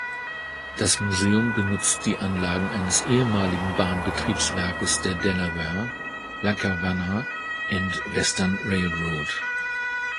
Das Museum benutzt die Anlagen eines ehemaligen Bahnbetriebswerkes der Delaware, Lackawanna and Western Railroad.